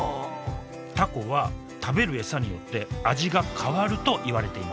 タコは食べる餌によって味が変わるといわれています。